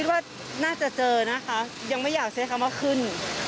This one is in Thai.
ว่าน่าจะเจอนะคะยังไม่อยากใช้คำว่าขึ้น